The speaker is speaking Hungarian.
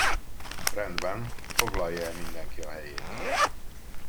Rendben, foglalja el mindenki a helyét.